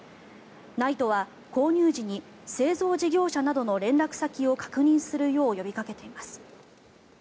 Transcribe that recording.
ＮＩＴＥは購入時に製造事業者などの連絡先を確認するよう呼びかけています。